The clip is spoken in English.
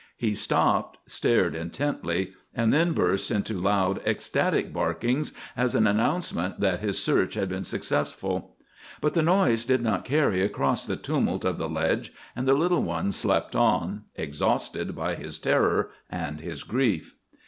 He stopped, stared intently, and then burst into loud, ecstatic barkings as an announcement that his search had been successful. But the noise did not carry across the tumult of the ledge, and the little one slept on, exhausted by his terror and his grief.